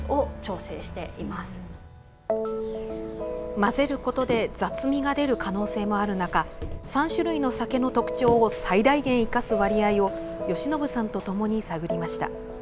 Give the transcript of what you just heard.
混ぜることで雑味が出る可能性もある中３種類の酒の特徴を最大限生かす割合を善延さんとともに探りました。